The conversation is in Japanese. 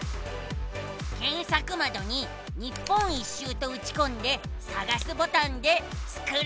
けんさくまどに日本一周とうちこんでさがすボタンでスクるのさ。